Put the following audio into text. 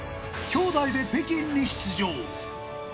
兄弟で北京に出場。